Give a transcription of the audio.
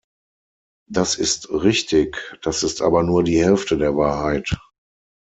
Das ist richtig, das ist aber nur die Hälfte der Wahrheit!